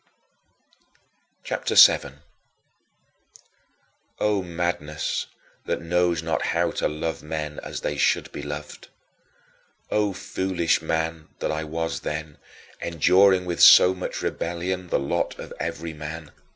CHAPTER VII 12. O madness that knows not how to love men as they should be loved! O foolish man that I was then, enduring with so much rebellion the lot of every man!